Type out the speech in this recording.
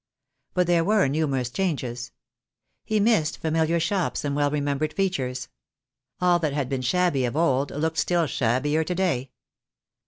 But there were numerous changes. Fie missed familiar shops and well remembered features. All that had been shabby of old looked still shabbier to day.